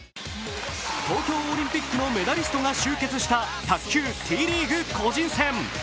東京オリンピックのメダリストが集結した卓球Ｔリーグ個人戦。